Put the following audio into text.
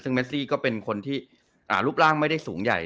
ซึ่งเมซี่ก็เป็นคนที่รูปร่างไม่ได้สูงใหญ่